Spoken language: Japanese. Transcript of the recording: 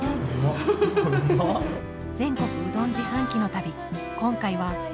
全国うどん自販機の旅。